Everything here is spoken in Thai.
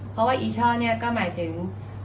เพราะว่าอีช่อเนี่ยก็หมายถึง